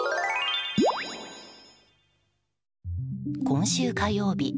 今週火曜日